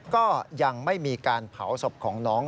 ก็ยังไม่มีการเผาศพของน้อง